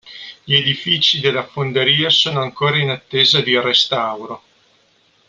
Gli edifici della fonderia sono ancora in attesa di restauro.